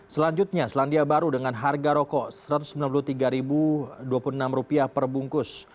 selanjutnya selandia baru dengan harga rokok rp satu ratus sembilan puluh tiga dua puluh enam perbungkus